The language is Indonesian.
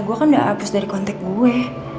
gue kan udah abis dari kontek gue